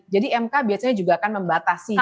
jadi mk biasanya juga akan membatasi juga